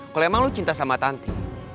kalau emang lo cinta sama tanti